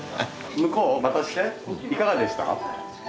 向こう渡していかがでした？